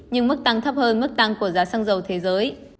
nhưng mức tăng thấp hơn mức tăng của giá xăng dầu thế giới